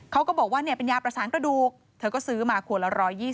เขาก็บอกว่าเป็นยาประสานกระดูกเธอก็ซื้อมาขวดละ๑๒๐